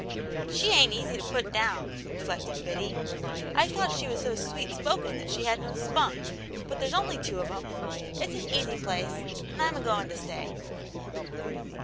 "She ain't easy to put down/* reflected Biddy. " I thought she was so sweet spoken that she hadn't no spunk. But there's only two of *em ; it's an easy place, and Fm agoing to stay."